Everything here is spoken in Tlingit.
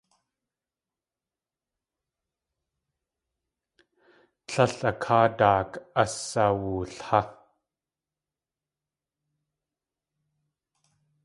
Tlél a káa daak asawulhá.